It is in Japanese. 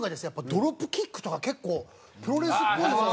ドロップキックとか結構プロレスっぽい技を。